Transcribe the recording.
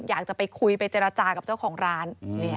อยากจะไปคุยไปเจรจากับเจ้าของร้าน